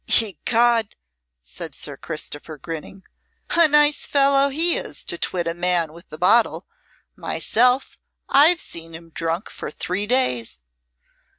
"Ecod!" said Sir Christopher, grinning. "A nice fellow he is to twit a man with the bottle. Myself, I've seen him drunk for three days."